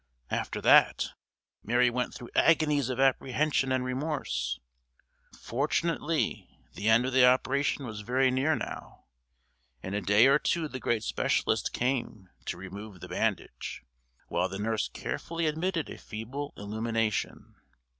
After that Mary went through agonies of apprehension and remorse. Fortunately the end of the operation was very near now. In a day or two the great specialist came to remove the bandage, while the nurse carefully admitted a feeble illumination.